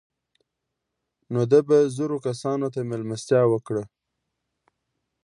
نو ده به زرو کسانو ته مېلمستیا وکړه.